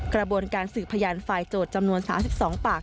กระบวนการสืบพยานฝ่ายโจทย์จำนวน๓๒ปาก